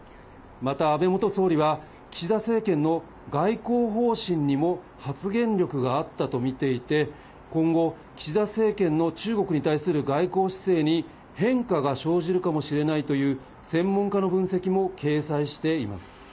また安倍元総理は、岸田政権の外交方針にも発言力があったと見ていて、今後、岸田政権の中国に対する外交姿勢に変化が生じるかもしれないという専門家の分析も掲載しています。